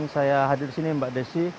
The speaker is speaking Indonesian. saya hadir disini mbak desi